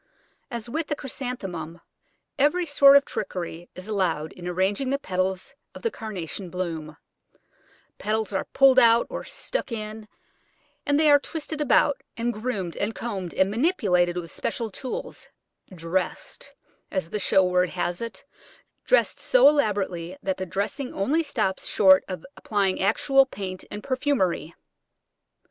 As with the Chrysanthemum, every sort of trickery is allowed in arranging the petals of the Carnation blooms: petals are pulled out or stuck in, and they are twisted about, and groomed and combed, and manipulated with special tools "dressed," as the show word has it dressed so elaborately that the dressing only stops short of applying actual paint and perfumery.